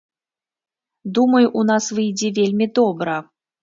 Думаю, у нас выйдзе вельмі добра.